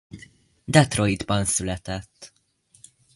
Detroitban született.